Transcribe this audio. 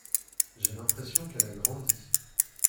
J’ai l’impression qu’elle a grandi.